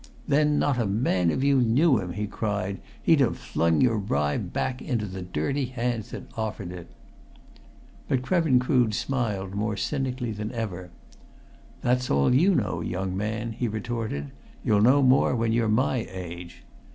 "Then not a man of you knew him!" he cried. "He'd have flung your bribe back into the dirty hands that offered it!" But Krevin Crood smiled more cynically than ever. "That's all you know, young man," he retorted. "You'll know more when you're my age.